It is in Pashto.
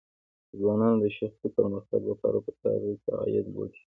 د ځوانانو د شخصي پرمختګ لپاره پکار ده چې عاید لوړ کړي.